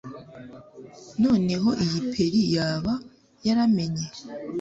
Noneho iyi Peri yaba yaramenye